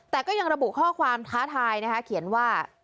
แต่ก็ยังระบุข้อความท้าทายนะคะเขียนว่า